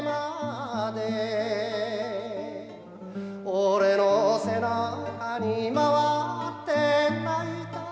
「俺の背中にまわって泣いた」